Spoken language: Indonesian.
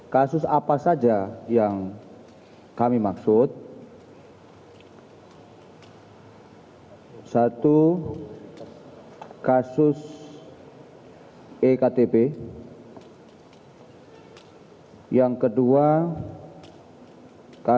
kemudian kasus bupati buol